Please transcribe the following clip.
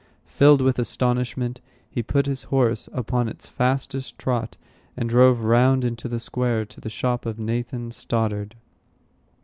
Filled with astonishment, he put his horse upon its fastest trot, and drove round into the square, to the shop of Nathan Stoddard.